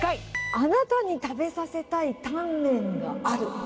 あなたに食べさせたいタンメンがある。